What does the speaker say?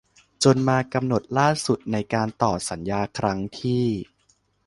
จนมากำหนดล่าสุดในการต่อสัญญาครั้งที่